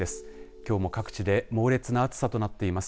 きょうも各地で猛烈な暑さとなっています。